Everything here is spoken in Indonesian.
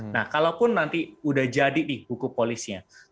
nah kalaupun nanti sudah jadi buku polisnya